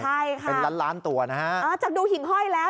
ใช่ค่ะเป็นล้านล้านตัวนะฮะอ๋อจากดูหิ่งห้อยแล้ว